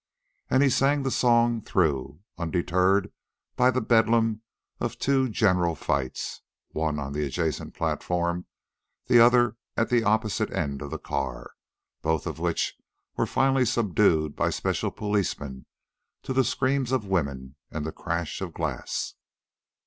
And he sang the song through, undeterred by the bedlam of two general fights, one on the adjacent platform, the other at the opposite end of the car, both of which were finally subdued by special policemen to the screams of women and the crash of glass.